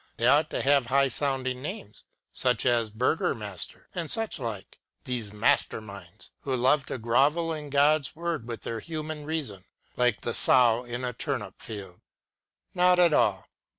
They ought to have high sounding names, such as burgher master, and such like — these master minds, who love to grovel in God's Word with their human reason, like the sow in a turnip field ! Not at all.